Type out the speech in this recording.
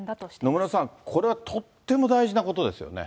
野村さん、これはとっても大事なことですよね。